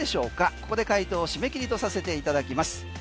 ここで回答締め切りとさせていただきます。